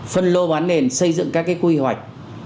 phân lô bán nền xây dựng các quy hoạch